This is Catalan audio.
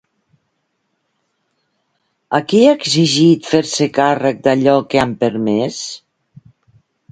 A qui ha exigit fer-se càrrec d'allò que han permès?